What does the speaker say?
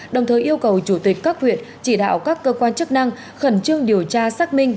đồng thời yêu cầu chủ tịch các huyện chỉ đạo các cơ quan chức năng khẩn trương điều tra xác minh